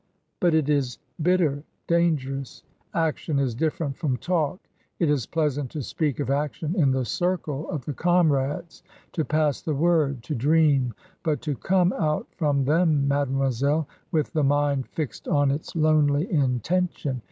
, "But it is bitter — dangerous. Action is different from talk. It is pleasant to speak of action in the circle of the comrades^to pass the word, to dream. But to come out from them, mademoiselle, with the mind fixed on its lonely intention.